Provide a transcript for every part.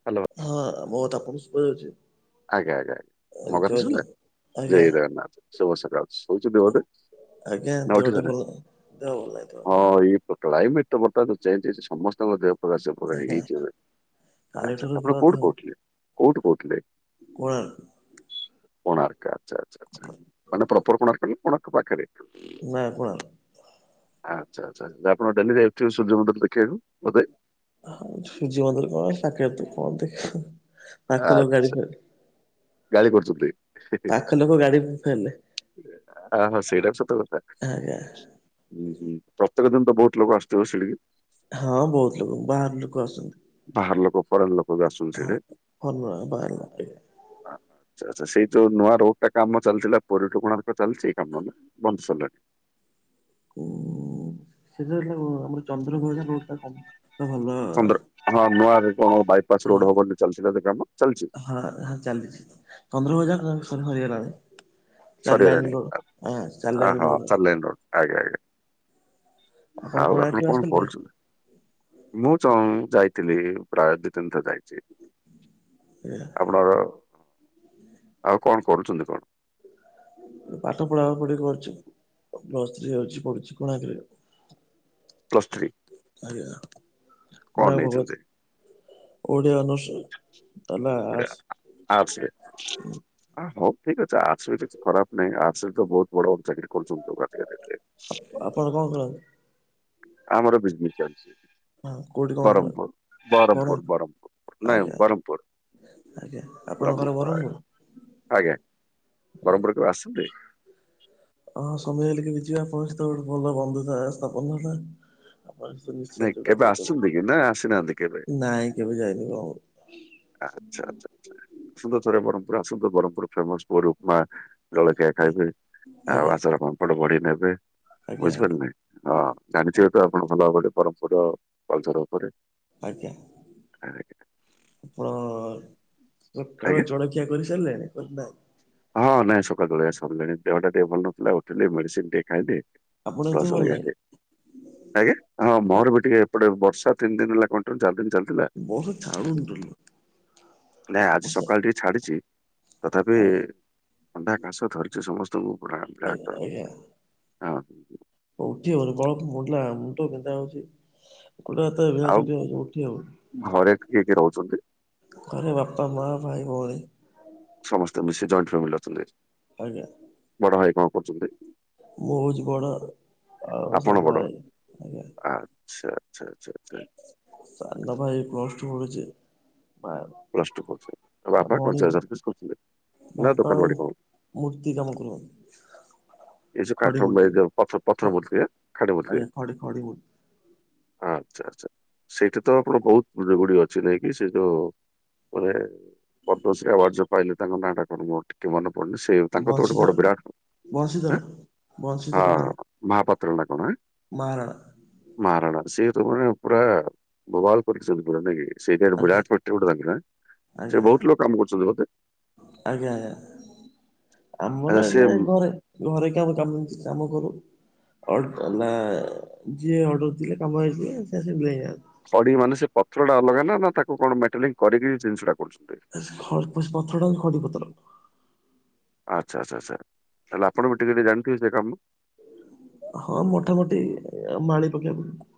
Hello. ହଁ ମୋ କଥା ଆପଣଙ୍କୁ ଶୁବାଯାଉଚି? ଆଜ୍ଞା ଆଜ୍ଞା ଆ ମୋ କଥା ଶୁବିଲା? ଆଜ୍ଞା ଜୟ ଜଗନ୍ନାଥ ଶୁଭ ଶଖାଳ। ଶୋଇଚନ୍ତି ବୋଧେ? ଆଜ୍ଞା ନା ଏମିତି ଉଠି ଗୋଟେ ଭଲ ଦେହ ଭଲ ନାହିଁ ଏମିତି [inaudible] ଶୋଇଚି। ତ କ୍ଲାଇମେଟ୍ ତ ବର୍ତ୍ତମାନ ଚେଞ୍ଜ ହେଇଚି। ସମସ୍ତଙ୍କ ଦେହ ଆଜ୍ଞା [unintelligible] ଆଚ୍ଛା କାଲିଠାରୁ ଆପଣ ପୁରା କୋଉଠୁ ଦେହ କୋଉଥିଲେ କୋଉଠୁ କୋଉଥିଲେ? କୋଣାର୍କ। କୋଣାର୍କ ଆଚ୍ଛା ଆଚ୍ଛା ଆଚ୍ଛ ମାନେ ପ୍ରୋପର କୋଣାର୍କ ନା କୋଣାର୍କ ପାଖରେ? ନା କୋଣାର୍କ। ଆଚ୍ଛା ଆଚ୍ଛା ଆପଣ ଡେଲି ଯାଉଥିବେ ସୂର୍ଯ୍ୟଙ୍କୁ ଦେଖିବାକୁ ବୋଧେ? ହଁ ସୂର୍ଯ୍ୟ ମନ୍ଦିର କଣ ଏ ପାଖରେ ତ କଣ ଦେଖିବୁ। ଆଚ୍ଛା ଗାଳି କରୁଚନ୍ତି। ପାଖ ଲୋକ ଗାଡି ଫେଲେ ଆ ହୋ ସେଇଟା ବି ସତ କଥା। ଆଜ୍ଞା ଉଁ ହୁଁ ପ୍ରତ୍ୟେକ ଦିନ ତ ବୋହୁତ ଲୋକ ଆସୁଥିବେ ସେଇଠିକି। ହଁ ବୋହୁତ ଲୋକ ବାହାର ଲୋକ ଆସୁଚନ୍ତି। ବାହାର ଲୋକ ଫରେନ୍ ଲୋକ ବି ଆସୁଚନ୍ତି ସେଇଠି ଭଲ କି। ବାହାରିଲା ଆଜ୍ଞା ଆଚ୍ଛା ଆଚ୍ଛ ସେଇ ଯୋଉ ନୂଆ ରୋଡ୍ ଟା କାମ ଚାଲିଥିଲା ପୁରିଠୁ କୋଣାର୍କ ଚାଲିଚି କାମ ନା। ବନ୍ଦ ସ‌ରିଲାଣି। ଉଁ ସେ [unintelligible] ଆମର ଚନ୍ଦ୍ରଭଜା ରୋଡ୍ ଟା କମ୍ପି ଭଲ। ଚନ୍ଦ୍ର ହଁ ନୂଆରେ କଣ ବାଇପାସ୍ ହଁ ରୋଡ୍ ହବ ବୋଲି ଚାଲିଥିଲା ଯେ କାମ ଚାଲିଚି। ହଁ ହଁ ଚାଲିଚି ଚନ୍ଦ୍ରଭାଗା ହ ସବୁ ସରିଗଲାଣି। ଚାରି ଲାଇନ ସରିଗଲାଣି ରୋଡ ଆ ହଁ ଚାରି ଆ ଲାଇନ ହଁ ରୋଡ ଚାଲିଲାଣି ରୋଡ୍ ଆଜ୍ଞା ଆଜ୍ଞା। ଆଉ ଆପଣ କୋଣାର୍କ କଣ ଆସିଥିଲେ? କରୁଚନ୍ତି? ମୁଁ ଚଁ ଯାଇଥିଲି ପ୍ରାୟ ଦି ତିନି ଥର ଯାଇଚି। ଏହା [unintelligible] ଆପଣର ଆଉ କଣ କରୁଚନ୍ତି କଣ? ପାଠ ପଢା ପଢି କରୁଛି ପ୍ଲ ଥ୍ରୀ ହଉଛି ପଢୁଛି କୋଣାର୍କ ରେ ପ୍ଲସ ଥ୍ରୀ ଆଜ୍ଞା କଣ ଆପଣ କରୁଚି ଓଡ଼ିଆ ଅନର୍ସ ତାହେଲେ ଆଟ୍ସ। ଆଟ୍ସ ରେ? ଆ ହଉ ଠିକ ଅଛି ଆଟ୍ସ ବି କିଛି ଖରାପ ନାଇଁ ଆଟ୍ସରେ ତ ବହୁତ ବଡ ବଡ଼ ଚାକିରି କରୁଛନ୍ତିଆଜିକା ଡେଟରେ। ଆପଣ କଣ କରନ୍ତି? ଆମର ବିଜନେସ ଚାଲଚି। ହଁ କୋଉଠି କଣ କରନ୍ତି ବରହ୍ମପୁର ବ୍ରହ୍ମପୁର ବରହମପୁର ବରହମପୁର ନାଇଁ ଆଜ୍ଞା ବରହ୍ମପୁର। ଆଜ୍ଞା ଆପଣଙ୍କ ଘର ବ୍ରହ୍ମପୁର? ଆଜ୍ଞା ବ୍ରହ୍ମପୁର କେବେ ଆସିଛନ୍ତି? ହଁ ହଁ ସମୟ ହେଲେ କେବେ ଯିବା ଆପଣଙ୍କ ସହିତ ଗୋଟେ ଭଲ ବନ୍ଧୁତା ସ୍ଥାପନ ହେଲା। ଆପଣ ନାଇଁ ନିଶ୍ଚନ୍ତ କେବେ ଯୋଗାଚ [inaudible] ଆସୁଛନ୍ତି କି ନା ଆସିନାହାନ୍ତି କେବେ? କର ନାଇଁ କେବେ ଯାଇନି ବରହମପୁର। ଆଚ୍ଛା ଆଛା ଆଛା ଆସନ୍ତୁ ଥରେ ବରହମପୁର ଆସୁ ବରହମପୁର ଫେମସ ପୁରୀ ଉପମା। ଜଳଖିଆ ଖାଇବେ ଆଉ ଆଜ୍ଞା ଆଚାର ପାମ୍ପଡ ବଡି ନେବେ ଆଜ୍ଞା ବୁଝିପାରିଲେ ନାଇଁ? ହଁ ଜାଣିଥିବେ ତ ଆପଣ ଭଲ ଭାବରେ ବରହମପୁର। କଲଚର ଉପରେ ଆଜ୍ଞା ଆଜ୍ଞା ଆପଣ ଆଜ୍ଞା। ସକାଳ ଜଳଖିଆ କରି ସାରିଲେଣି କରିନା? ହଁ ନାଇଁ ସକାଳୁ ଜଳଖିଆ ସରିଲାଣି ଦେହଟା ଟିକେ ଭଲ ନଥିଲା ଉଠିଲି ମେଡିସିନ ଟିକେ ଆପଣଙ୍କୁ ଏଥିପାଇଁ ଭଲ ଲାଗେ ଖାଇଲି ଆଜ୍ଞା ହଁ ଆ ମୋର ବି ଟିକେ ଏପଟେ ବର୍ଷା ତିନି ଦିନ ହେଲା କ ଚାରଦିନ ଚାଲିଥିଲା ବର୍ଷା ଛାଡୁନି ଟୋଟାଲି ନାଇଁ ଆଜି ବର୍ଷା ସକାଳ ଟିକେ ଛାଡିଛି ତଥାପି ଆଜ୍ଞା ଥଣ୍ଡା କାଶ ଧରିଚି ସମସ୍ତଙ୍କୁ ପୁରା ଆଜ୍ଞା ଗାଁଟା ଆଜ୍ଞା ହଁ [unintelligible] ଆଉ ଘରେ କିଏ କିଏ ରହୁଛନ୍ତି? [unintelligible] ଘରେ ବାପା ମା ଭାଇ ଭଉଣୀ। ସମସ୍ତେ ମିଶି ଜଏଣ୍ଟ ଫ୍ୟାମିଲିରେ ଅଛନ୍ତି? ଆଜ୍ଞା। ବଡ଼ଭାଇ କଣ କରୁଛନ୍ତି? ମୁଁ ହଉଛି ବଡ ଆଉ ଆପଣ ସାନ ବଡ ଭାଇ ଆଜ୍ଞା ଆଚ୍ଛା? ଆଚ୍ଛା ଆଚ୍ଛା ଆଚ୍ଛା। ସାନ ଭାଇ ପ୍ଲସ ଟୁ ପଢୁଚି। ପ୍ଲଟୁ ପଢୁଛି ଆଉ ବାପା କଣ ଭଉଣୀ ଚା ସର୍ଭିସ କରୁଥିଲେ ନା ଦୋକାନ ବାଡି କଣ? ମୂର୍ତ୍ତିକାମ କରନ୍ତି। ଏ ଯଉଁ ଖଡି କାଠ ମେ ମୂର୍ତ୍ତି ଏ ଜଉ ପଥର ଖ ପଥରମୂର୍ତ୍ତି କରି [unintelligible] ହଁ ଆଜ୍ଞା ଖଡି ଖଡି ମୂର୍ତ୍ତି ଆଚ୍ଛା ଆଚ୍ଛା ସେଇଠି ତ ଆପଣ ବହୁତ ବିଲ ଗୁଡିଏ ଅଛି ନାଇକି ସେ ଯୋଉ ମାନେ ପଦ୍ମଶ୍ରୀ ଆୱାର୍ଡ଼ ଯୋଉ ପାଇଲେ ତାଙ୍କ ନାଁଟା କଣ ମୋର ଟିକେ ମନେ ପଡୁନି ସେ ତାଙ୍କର ତ ଗୋଟେ ବଂଶୀଧର ବଡ ବିରାଟ କୋ ବଂଶୀଧର ବଂଶୀଧର ମହାରଣା। [unintelligible] ମହାପାତ୍ର ନାଁ କଣ ଆଁ। ମହାରଣା। ମହାରଣା ସେ ତ ମାନେ ପୁରା ବୋବାଲ କରିଛନ୍ତି ପୁରା ନାଇକି। ସେଇଟା ଆଜ୍ଞା ବିରାଟ ଗୋଟେ ବିରାଟ ଫାକ୍ଟ୍ରି ଗୋଟେ ଅଛି ସେ ଆଜ୍ଞା। ବହୁତ ଲୋକ କାମ କରୁଛନ୍ତି ବୋଧେ? ଆଜ୍ଞା ଆଚ୍ଛା ଆମର ସେ ଏବେ ଏ ଘରେ ଘରେ କେବଳ କାମହଉଚି କାମ କରୁ। [unintelligible] ଖଡି ମାନେ ସେ ପତ୍ର ଟା ଅଲଗା ନା ନା ତାକୁ କଣ ମାଟେଲିଂ କରିକି ସେ ଜିନିଷଟା କରୁଛନ୍ତି? ହରପସ ପଥର ଆଉ ଖଡି ପଥର। ଆଚ୍ଛା ଆଚ୍ଛା ଆଚ୍ଛା ତାହାଲେ ଆପଣ ବିି ଟିକେ ଟିକେ ଜାଣିଥିବେ ସେ କାମ? ହଁ ମୋଟାମୋଟି ମାଳି ପକେଇବାକୁ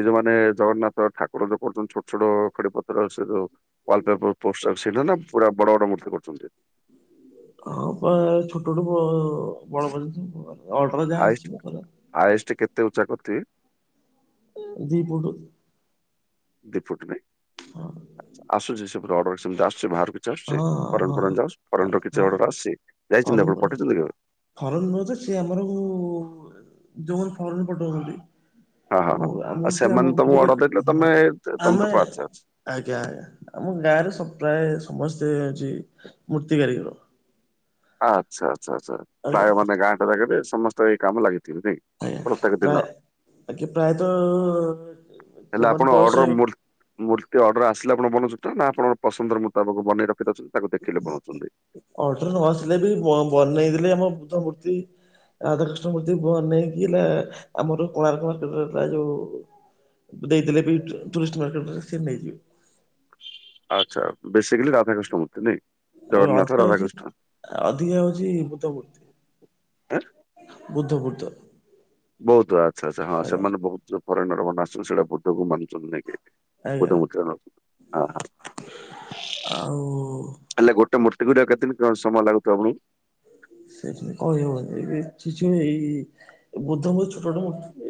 ଏଇ ଯୋଉ ମାନ ଜଗନ୍ନାଥ ଠାକୁର ଯୋଉ କରୁଛନ୍ତି ଛୋଟ ଛୋଟ ଖଡି ପତର ସେ ଯୋଉ ୱାଲପେପର ପୋଷ୍ଟ ସେଇଟା ନା ପୁରା ବଡ ବଡ ମୂର୍ତ୍ତି କରୁଛନ୍ତି? ହଁ ବା ଛୋଟ ଠୁ ବ ବଡ ପର୍ଯ୍ୟନ୍ତ ଅଡର ଯାହା ଆସିବ କରିବା। ହାଏଷ୍ଟ କେତେ ଉଁଚା କରିଥିବେ? ଦି ଫୁଠୁ। ଦି ଫୁଟୁ ନାଇଁ ହଁ ଆଛା। ଆସୁଛି ସେପଟୁ ଅର୍ଡର ସେମିତି ଆସୁଛି ବାହାରକୁ ଚସଚି ହଁ ଫରେନ୍ ଫରେନ୍ ଯ ଫରେନ୍ ର କିଛି ଅର୍ଡର ଆସିଚି? କରନ୍ତୁ। ଫରେନ ନୁହଁ ଯେ ସେ ଆମର ଉ ଯୋଉମାନେ ଫରେନ ପଠଉଛନ୍ତି ହଁ ହଁ ହଁ ଯୋଉ ଆମକୁ ଆଉ ସିଏ ସେମାନେ ଆମକୁ ତମକୁ ଯୋଗେ ଅର୍ଡର ଦେଇଥିଲେ ହଁ ତମେ ତମେ ତ ଆମେ ପାର୍ଟସ ଅଛ। ଆଜ୍ଞା ଆଜ୍ଞା ଆମ ଗାଁ ରେ ସବୁ ପ୍ରାୟେ ସମସ୍ତେ ହଉଚି ମୂର୍ତ୍ତି କାରିଗର। ଆଚ୍ଛା ଆଚ୍ଛା ଆଚ୍ଛା ଆଜ୍ଞା ପ୍ରାୟ ମାନେ ଗାଁଟା ଯାଗାରେ ସମସ୍ତେ ଏଇ କାମ ଲାଗିଥିବେ ନାଇଁ? ଆଜ୍ଞା ପ୍ରତ୍ୟେକ ଦିନ ପ୍ରାୟ ଆଜ୍ଞା ପ୍ରାୟତଃ ତାହେଲେ ଯୋଉମାନେ ଆପଣ ପଇସା ଅର୍ଡର ମୋର ମୂର୍ତ୍ତି ଅର୍ଡର ଆସିଲେ ଆପଣ ବନଉଛନ୍ତି ନା ଆପଣ ପସନ୍ଦର ମୁତାବକ ବନେଇ ରଖି ଦଉଛନ୍ତି ତାକୁ ଦେଖି ଲୋକ ନୋଉଛନ୍ତି? ଅର୍ଡର ନ ଆସିଲେ ବି ବ ବନେଇଥିଲେ ଆମ ବଡ ମୂର୍ତ୍ତି ରାଧାକୃଷ୍ଣ ମୂର୍ତ୍ତି ବନେଇକି ନା ଆମର କୋଣାର୍କର [unintelligible] ଯୋଉ ଦେଇଥିଲେ ବି ଟୁ ଟୁରିଷ୍ଟ ମାର୍କେଟରେ ସେ ନେଇଯିବେ। ଆଚ୍ଛା ବେସିକାଲି ରାଧାକୃଷ୍ଣ ମୂର୍ତ୍ତି ନାଇ ଆଉ ଜଗନ୍ନାଥ ଅଧିକା ହଉଛି ରାଧାକୃଷ୍ଣ? ଅଧିକା ହଉଛି ବୁଦ୍ଧ ମୂର୍ତ୍ତି ବୁଦ୍ଧ ବୁଦ୍ଧ। ବୌଦ୍ଧ ଆଚ୍ଛା ଆଛା ହଁ ଆଜ୍ଞା ସେମାନେ ବହୁତ ଫରେନର ମାନେ ଆଶୁଛନ୍ତି ସେଇଗୁଡା ବୁଦ୍ଧକୁ ମାନୁଛନ୍ତି ନାଇକି। ଆଜ୍ଞା ବୁଦ୍ଧ ମୂର୍ତ୍ତିରା ନୋଉଛନ୍ତି ହଁ। ଆଉ ହେଲେ ଗୋଟେ ମୂର୍ତ୍ତୀ କରିବାକୁ କେତେଦିନ ସମୟ ଲାଗୁଥିବ ଆପଣଙ୍କୁ? ସେମି କହିହେବନି [unintelligible] ଏଇ ବୌଦ୍ଧ [unintelligible]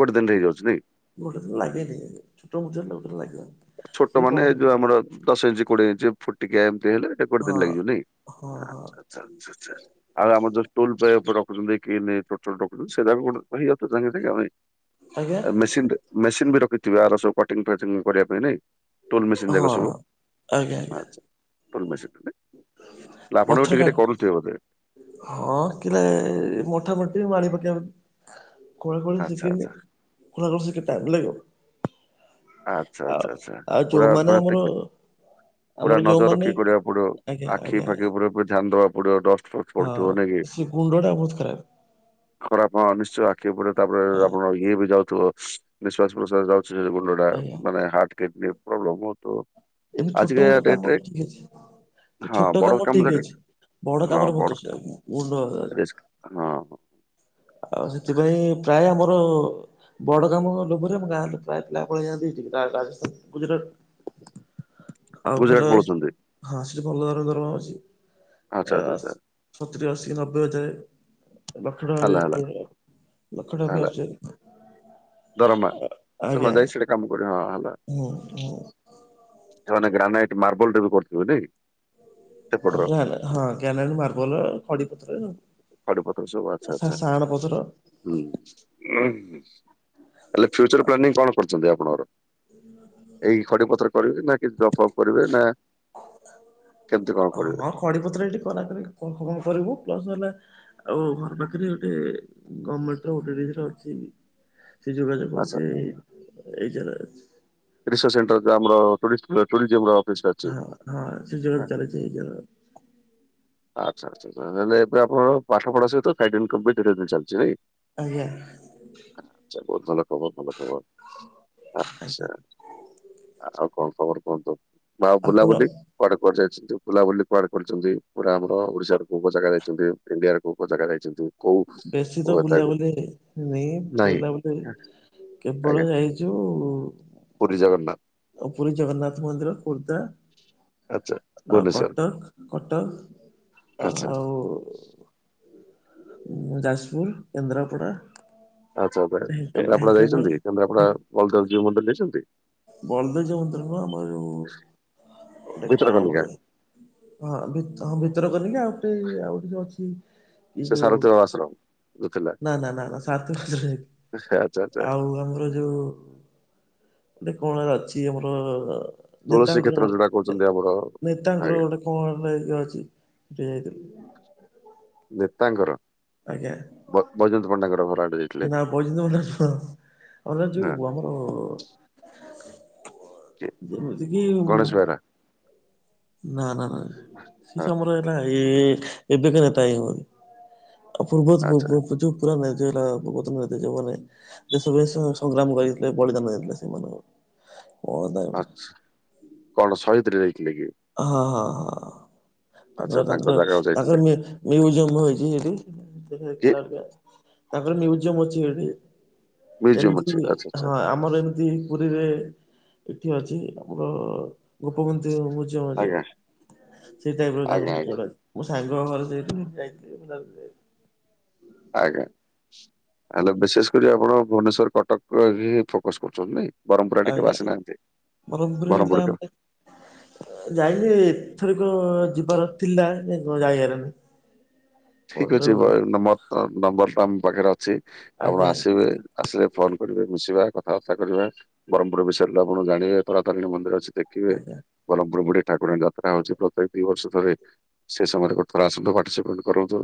ଗୋଟେ ଦିନରେ ହେଇଯାଉଛି ନାଇଁ! ଗୋଟେ ଦିନ ଲାଗେନି ଛୋଟ ଛୋଟ ମୂର୍ତ୍ତି ହେଲେ ଗୋଟେ ଦିନ ଲାଗିବନି। ସେ ଛୋଟ ମାନେ କମ୍ ଏଇ ଯୋଉ ଆମର ଦଶ ଇଞ୍ଚ କୋଡିଏ ଇଞ୍ଚ ଫୁଟିକିଆ ଏମିତି ହେଲେ? ଏ ଗୋଟ ହଁ ଦିନ ଲାଗୀବ ନାଇଁ ହଁ ହଁ ଆଛା ଆଚ୍ଛା ଆଚ୍ଛା ଆଚ୍ଛା। ଆଉ ଆମର ଯୋଉ ଟୁଲ ପେ [unintelligible] ରଖୁଛନ୍ତି କି [inaudible] ସେରା ବି [unintelligible] ଆଜ୍ଞା ମେସିନରେ ମେସିନ ବି ରଖିଥିବେ ଆର ସବୁ କଟିଙ୍ଗ ଫଟିଙ୍ଗ କରିବା ପାଇଁ ନାଇଁ? ଟୋଲ ମେସିନ୍ ହଁ ଜାକ ସବୁ ହଁ। ଆଚ୍ଛା ଟୋଲ ମେସିନ। ଆପଣ ବି ଟିକେ ପଥରା ଟିକେ କରୁଥିବେ ବୋଧେ ହଁ କିିଲା ମୋଥାମୋଟି ମାଡ଼ି ପକେଇବାକୁ କଳେ କଳେ ଆଚ୍ଛା ସିଖିନି ଆଚ୍ଛା କଳେ ଶିଖି ଟାଇମ୍ ଲାଗିବ। ଆଚ୍ଛା ଆଉ ଆଚ୍ଛା ଆଚ୍ଛା ଆଉ ପୁରା ଯୋଉମାନେ ମାନେ ଆମର ତିକ୍ ପୁରା ଆମର ନଜର ଯୋଉମାନେ ରଖିକି କରିବାକୁ ଆଜ୍ଞା ପଡିବ ଆଖି ଆଜ୍ଞା ଫାଖି ଉପୁରେ ଧ୍ୟାନ ଦବାକୁ ପଡିବ ଡଷ୍ଟ୍ ହଁ ସେ ଗୁଣ୍ଡ ଟା ବହୁତ ଖ ଖରାପ ନିଶ୍ଚୟ ଆଖି ଉପରେ ତାପରେ ଆପଣ ବି ଇଏ ବି ଯାଉଥିବ ନିଶ୍ବାସ ପ୍ରଶ୍ୱାସ ଯାଉଚି ଗୁଣ୍ଡ ଟା ଆଜ୍ଞା। ମାନେ ହାର୍ଟ କିଡନୀ ପ୍ରୋବ୍ଲେମ ହଉଥିବ। ଏମିତି ଛୋଟ ଆଜିକା ମୋଟ ଡେଟ୍ କାମ ରେ ଠିକ ଅଛି ହଁ ଛୋଟ ବଡ କାମ ଠିକ ଯାକେ ଅଛି। ବଡ କାମରେ ମୁଁ ତ ସେଇଆ ନୁହଁ ଉନ ରିସ୍କ ହଁ ଆଉ ସେଥିପାଇଁ ପ୍ରାୟ ଆମର ବଡ଼ କାମ ଲୋଭରେ ଆମ ଗାଁ ପ୍ରାୟ ପିଲା ପଳେଇ ଆସି ଇଠିକି ରାଆ ରାଜସ୍ଥାନ ଗୁଜୁରାଟ ଆଉ ଗୁଜୁରାଟ ଭଲ ପଳଉଛନ୍ତି ହଁ ସେଠି ଭଲ ଦରମା ଅଛି ଆଚ୍ଛା ଏ ଆଚ୍ଛା ଆଚ୍ଛା ଆସ। ସତୁରି, ଅଶୀ, ନବେ ହଜାର। ଲକ୍ଷେ ଟଙ୍କା ହେଲା ଭଳିଆ ହେଲା ଥିବ ଲକ୍ଷେ ଟଙ୍କା ହେଲା ଆସୁଚି। ଦରମା ଆଜ୍ଞା। ସେମାନେ ଯାଇ ସେଟା କାମ କର ହଁ ହେଲା ଓ ହ। ସେମାନେ ଗ୍ରାନାଇଟ୍ ମାର୍ବଲ ଟାଇପର ପଡିଥିବ ଟି? ନା ନା ହଁ ଜ୍ଞାନାଇଟି, ମାର୍ବଲ, ଖଡି ପଥର। ଖିଡି ପଥର ସବୁ ଆଛା ସା ଆଚ୍ଛା। ସାହାଣ ପଥର ହୁଁଉ ହୁ। ହେଲେ ଫ୍ୟୁଚର ପ୍ଲାନିଂ କଣ କରୁଛନ୍ତି ଆପଣଙ୍କର? ଏଇ ଖଡିପତ୍ର କରିବେ ନା କିଛି ଜବ ଫବ କରିବେ ନା କେମିତି କଣ କରିବେ ହଁଁ ଖଡି ପତ୍ର ଏଠି କରା କରି କଣ କଣ କରିବୁ ପ୍ଲସ ହେଲେ ଆଉ ଘର ପାଖରେ ଗୋଟେ ଗମେଣ୍ଟ ଗୋଟେ ଦିଟା ଅଛି। ସେ ଯୋଗାଯୋଗ ଆଚ୍ଛା କରଛି ଏଇ ଯାଗାରଛି। ରିସର୍ଚ୍ଚ ସେଣ୍ଟର ଆମର ଟୁରିଷ୍ଟ ଟୁରିଜେମର ହଁ ହଁ, ସେ ଯୋଉ ଚାଲିଛି ଯୋ ଆଚ୍ଛା ଆଚ୍ଛା ତା ମାନେ ଏବେ ଆପଣଙ୍କର ପାଠ ପଢା ସହିତ ପ୍ରାଇ ଟାଇମ କମ୍ପିଟେଟିଭ ଚାଲିଛି ନାଇଁ। ଆଜ୍ଞା। ଆଛା ବହୁତ ଭଲ ଖବର ଭଲ ଖବର, ଆଚ୍ଛା। ଆଉ କଣ ଖବର କୁହନ୍ତୁ? ମାଉ ଆପଣ ବୁଲାବୁଲି କୁଆଡେ କୁଆଡେ ଯାଇଛନ୍ତି ବୁଲାବୁଲି କୁଆଡେ କରିଛନ୍ତି? ପୁରା ଆମର ଓଡିଶା ର କୋଉ କୋଉ ଜାଗା ଯାଇଛନ୍ତି, ଇଣ୍ଡିଆରେ କୋଉ କୋଉ ଜାଗା ଯାଇଛନ୍ତି। କୋଉ ବେଶୀ ତ କୋଉ ତାକୁ ବୁଲାବୁଲି ନି ନାହିଁ ବୁଲାବୁଲି ଆଜ୍ଞା କେବଳ ଯାଇ ଯୋଉଁ ପୁରୀ ଜଗନ୍ନାଥ। ଆଉ ପୁରୀ ଜଗନ୍ନାଥ ମନ୍ଦିର ଖୋର୍ଦ୍ଧା। ଆଚ୍ଛା ଆଉ ଭୁବନେଶ୍ୱର କଟକ କଟକ ଆଚ୍ଛା ଆଉ ଯାଜପୁର, କେନ୍ଦ୍ରାପଡ଼ା ଆଚ୍ଛା ଆଛା ଢେଙ୍କା କେନ୍ଦ୍ରାପଡ଼ା ଯାଇଛନ୍ତି? କେନ୍ଦ୍ରାପଡା ଢେଙ୍କାନାଳ ବଳଦେବ ଜୀଉ ମନ୍ଦିର ଯାଇଛନ୍ତି? ବଳଦେବ ଜୀଉ ମନ୍ଦିର ନୁହଁ ଆମର ଯଉଁ ଗଟେ କଣ ଆମର ଭିତରକନିକା ଅଛି, ହଁ ଭିତ ହଁ ଭିତରକନିକା ଆଉ ଗୋଟେ ଆଉ ଗୋଟେ ଯୋଉ ଅଛି ଏଇ ସେ ଯୋଉ ଶାରଥୀ ବାବା ଆଶ୍ରମ। ଯୋଉ ଥିଲା ନା ନା ନା ନା ସାରଥୀ ଆଶ୍ରମ ଯାଇନି। ଆଚ୍ଛା ଆଚ୍ଛା ଆଉ ଆମର ଯୋଉ ଗୋଟେ କଣରେ ଅଛି ଆମର ତୁଳସୀ ନେତାଙ୍କର କ୍ଷେତ୍ର କଣ ଯୋଉଟା କହୁଛନ୍ତି ଆମର ନେତାଙ୍କର ଆଜ୍ଞା ଗୋଟେ କଣ ମାନେ ଇଏଅଛି ସେଇଠି ଯାଇଥିଲି। ନେତାଙ୍କର? ଆଜ୍ଞା। ବ ବୟଜନ୍ତ ପଣ୍ଡାଙ୍କର ଘର ଆଡେ ଯାଇ ନା ବୟଜନ୍ତ ପଣ୍ଡା ନୁହଁ, ଆମର ହଁ ଯୋଉ ଆମର କିଏ ଯେମିତି କିି ଗଣେଶ ବେହେରା ନା ନା ନା। ହଁ ସିଷ ଆମର ହେଲା ଏଇ ଏବେକା ନେତା ହି ହୁଅନି। ଆଉ ପୂର୍ବତ ଆଚ୍ଛା ପୂର୍ବ ଯୋଉ ପୁରା ମେଜେଇଲା ପୂର୍ବତନ ନିଦେଜ ହବନାହିଁ, ଦେଶ ବିଦେଶ ସଂଗ୍ରାମ କରିଥିଲେ ବଳିଦାନ ଦେଇଥିଲେ ସେମାନ ଓଦା ଆଛା କଣ ସହିଦ୍ ରେ ନେଇଥିଲେ କି? ହଁ ହଁ ହଁ ଆଚ୍ଛା ତାଙ୍କର ତାଙ୍କ ତାଙ୍କର ଜାଗାକୁ ତାଙ୍କର ଯାଇଥିଲେ ମି ମ୍ୟୁଜିୟମ ହେଇଚି ସେଠି [unintelligible] କି ତାଙ୍କର ମ୍ୟୁଜିୟମ ଅଛି ସେଠି। ମ୍ୟୁଜିୟମ ଏମିତିକି ଅଛି ରି ଆଚ୍ଛା ହଁ ଆ ଆମର ଏମିତି ପୁରୀରେ ଏଠି ଅଛି ଆମର ଗୋପବନ୍ଧୁ [unintelligible] ଯେ ଆଚ୍ଛା ସେଇ ଟାଇପ ର ତାଙ୍କ ଆଜ୍ଞା ଆଜ୍ଞା ଆଜ୍ଞା [unintelligible] ମୋ ସାଙ୍ଗ ଘର ସେଇଠି ମୁଁ ଯାଇଥିଲି [unintelligible] ଆଜ୍ଞା [unintelligible] ବିଶେଷ କରି ଆପଣ ଭୁବନେଶ୍ଵର କଟକ ବି ଫୋକସ କରୁଛନ୍ତି ନାଇଁ। ବରମପୁର ଆଡ଼େ କେବେ ଆଜ୍ଞା ଆସିନାହାନ୍ତି ବରମପୁର କେବେ ଅ ଯାଇନି ଏଥରକ ଯିବାର ଥିଲା [unintelligible] ଯାଇହେଲାନି। ମୋର ଠିକ ଅଛି ଯୋଉ ଭାଈ ନମ୍ବର ତ ନମ୍ବର ଟା ଆମ ପାଖରେ ଅଛି ଆପଣ ଆଜ୍ଞା ଆସିବେ ଆସିଲେ ଫୋନ କରିବେ ମିଶିବା କଥାବାର୍ତ୍ତା କରିବା ବରମପୁର ବିଷୟରେ ଆପଣ ଜାଣିବେ ତାରାତାରିଣୀ ମନ୍ଦିର ଅଛି ଦେ ଖିବେ। ଆଜ୍ଞା ବରମପୁର ବୁଢ଼ୀ ଠାକୁରାଣୀ ଯାତ୍ରା ହଉଚି ପ୍ରତ୍ୟେକ ଦି ବର୍ଷ ଥରେ ସେ ସମୟରେ ଗୋଟେଥର ଆସନ୍ତୁ ପାଟିସିପେଟ୍ କରନ୍ତୁ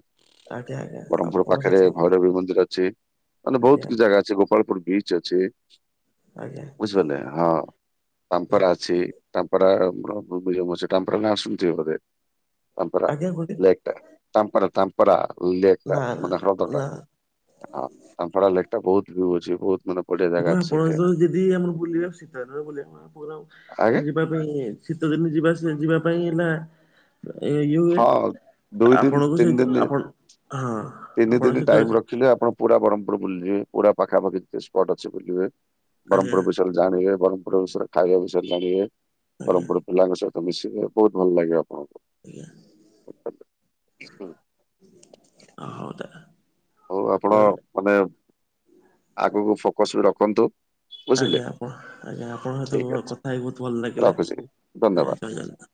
ଆଜ୍ଞା ଆଜ୍ଞା ବରମପୁର ଆପଣ ପାଖେରେ ସେଥିପାଇଁ ଭୈରବୀ ମନ୍ଦିର ଅଛି। ମାନେ ବହୁତ ଆଜ୍ଞା କିଛି ଜାଗା ଅଛି ଗୋପାଳପୁର ବିଚ ଅଛି। ଆଜ୍ଞା ବୁଝିପାରିଲେ ହଁ ପାମ୍ପରା ଅଛି। ତାମ୍ପରା ରାମର [unintelligible] ଅଛି ଟାମ୍ପରା ନା ଶୁଣିଥିବେ ବୋଧେ ତାମ୍ପରା ଆଜ୍ଞା ଗୋଟେ ଲେକ୍ ଟା। ତାମ୍ପରା ତାମ୍ପରା ଲେକ୍ ନା ନା ମାନେ ହ୍ରଦ ନା ଟା। ହଁ ତାମ୍ପରା ଲେକ୍ ଟା ବହୁତୁ ଭିୟୁ ଅଛି ବହୁତ ମାନେ ବଢିଆ ଜାଗା ମୁଁ ଅଛି ଆପଣଙ୍କ ସେଇଠି ସହ ଯିଦି ଆମର ବୁଲିବା ଶୀତାରେ ବୁଲିବା ପୁରା ଆଜ୍ଞା ଆମେ ଯିବା [unintelligible] ଶୀତ ଦିନ ଯିବା ଯିବା ପାଇଁ ହେଲା ଏଇଯୋଉ ହୁଏ ହଁ ଦୁଇ ଦିନ ଆପଣଙ୍କ ତିନି ସହିତ ଦିନ ଆପଣ ହଁ ଆପଣଙ୍କ ସଇତ ଦେଖିଲେ ଆପଣ ପୁରା ବରମପୁର ବୁଲି ଯିବେ ପୁରା ପାଖାପାଖି ସ୍ପଟ ଅଛି ବୁଲିବେ ଆଜ୍ଞା ବରମପୁର ବିଷୟରେ ଜାଣିବେ ବରମପୁର ବିଷୟରେ ଖାଇବା ବିଷୟରେ ଜାଣିବେ ଆଜ୍ଞା ବରମପୁର ପିଲାଙ୍କ ସହିତ ତ ମିଶିବେ ବହୁତ ଭଲ ଲାଗିବ ଆପଣଙ୍କୁ। ହୁଁ। ଆଜ୍ଞା ହଉ ତାନେ। ହଉ ଆପଣ ମାନେ ଆଗୁକୁ ଫୋକସ୍ ବି ରଖନ୍ତୁ। ବୁଝିଲେ ଆଜ୍ଞା ଆପଣ ଆଜ୍ଞା ଆପଣଙ୍କ ଠିକ ସଇତ ଅଛି କଥା ହେଇକି ବହୁତ ଭଲ ଲାଗିଲା ରଖୁଛି ଆଜ୍ଞା ଧନ୍ୟବାଦ। ଜୟ ଜଗନ୍ନାଥ।